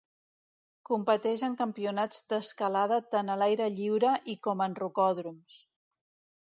Competeix en campionats d'escalada tant a l'aire lliure i com en rocòdroms.